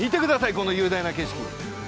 この雄大な景色。